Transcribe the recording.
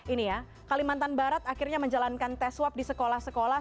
ini ya kalimantan barat akhirnya menjalankan tes swab di sekolah sekolah